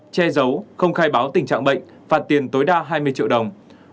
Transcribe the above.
che giấu không khai báo tình trạng bệnh phạt tiền tối đa hai mươi triệu đồng